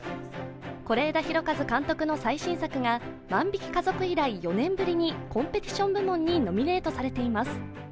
是枝裕和監督の最新作が「万引き家族」以来４年ぶりにコンペティション部門にノミネートされています。